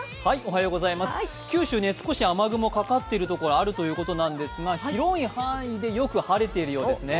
九州、少し雨雲がかかっているところがあるということですが広い範囲でよく晴れているようですね。